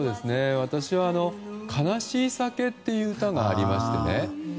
私は「悲しい酒」っていう歌がありましてね